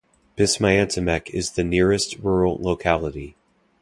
Pismyantamak is the nearest rural locality.